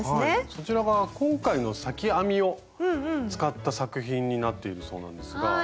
そちらが今回の裂き編みを使った作品になっているそうなんですが。